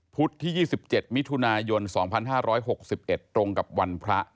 ที่๒๗มิถุนายน๒๕๖๑ตรงกับวันพระ